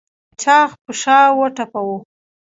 چاغ په شا وټپوه.